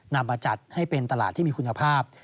นำมาจัดให้เป็นตลาดที่มีคุณภาพ